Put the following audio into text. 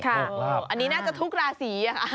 อันนี้น่าจะทุกราศี